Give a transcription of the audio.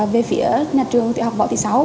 về phía nhà trường tiểu học võ tỷ sáu